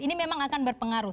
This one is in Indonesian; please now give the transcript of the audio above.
ini memang akan berpengaruh